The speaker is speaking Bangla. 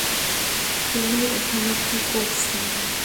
তুমি এখানে কী কোরছো?